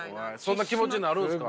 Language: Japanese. そんな気持ちになるんすか。